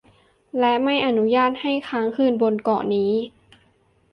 และไม่อนุญาตให้ค้างคืนบนเกาะนี้